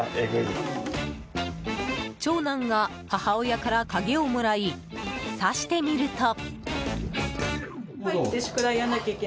長男が、母親から鍵をもらい挿してみると。